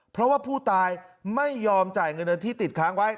เพราะว่าผู้ตายไม่ยอมจ่ายเงินที่ติดค้างไว้